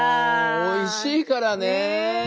おいしいからね。